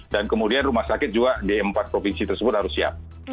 dan kemudian rumah sakit juga di empat provinsi tersebut harus siap